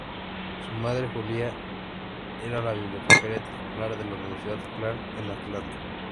Su madre, Julia, era la bibliotecaria titular de la Universidad Clark en Atlanta.